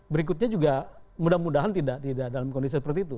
berikutnya juga mudah mudahan tidak dalam kondisi seperti itu